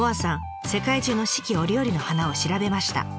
世界中の四季折々の花を調べました。